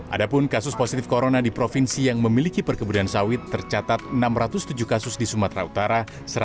ada pun kasus positif corona di provinsi yang memiliki perkebunan sawit tercatat enam ratus tujuh kasus di sumatera utara